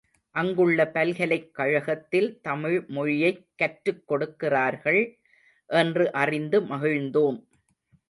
அங்குள்ள பல்கலைக் கழகத்தில், தமிழ் மொழியைக் கற்றுக்கொடுக்கிறார்கள் என்று அறிந்து மகிழ்ந்தோம்.